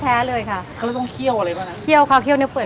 อ๋อเป็นน้ำของลูกชิ้นของเรารวดเลยค่ะ